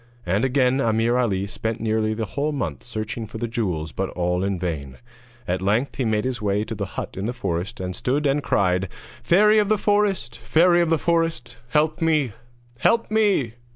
And again Ameer Ali spent nearly the whole month searching for the jewels, but all in vain. At length he made his way to the hut in the forest, and stood and cried: 'Fairy of the forest! Fairy of the forest! Help me! help me!'